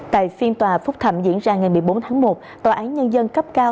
tại phiên tòa phúc thẩm diễn ra ngày một mươi bốn tháng một tòa án nhân dân cấp cao